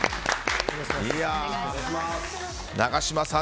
永島さん